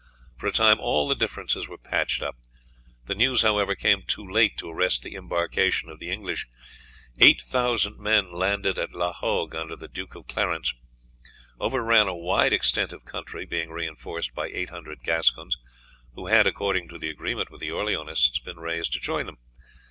For a time all the differences were patched up. The news, however, came too late to arrest the embarkation of the English. Eight thousand men landed at La Hogue, under the Duke of Clarence, overran a wide extent of country, being reinforced by 800 Gascons, who had, according to the agreement with the Orleanists, been raised to join them.